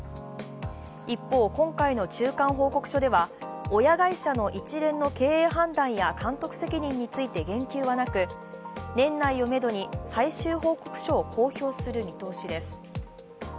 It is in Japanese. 一方、今回の中間報告書では親会社の一連の経営判断や監督責任について言及はなく年内をめどに最終報告書を公表する見通しです